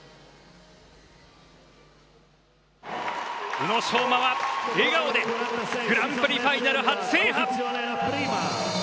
宇野昌磨は、笑顔でグランプリファイナル初制覇。